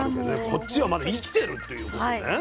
こっちはまだ生きてるっていうことね菌が。